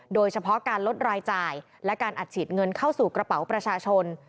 โดยเฉพาะการลดรายจ่ายและการอัดฉีดเงินเข้าสู่กระเป๋าประชาชน